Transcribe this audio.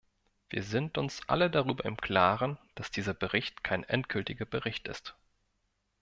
Wir sind uns alle darüber im Klaren, dass dieser Bericht kein endgültiger Bericht ist.